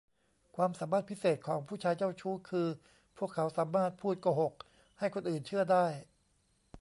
ความสามารถพิเศษของผู้ชายเจ้าชู้คือ พวกเขาสามารถพูดโกหกให้คนอื่นเชื่อได้